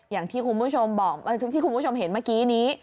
อย่างที่คุณผู้ชมเห็นเมื่อกี้นี้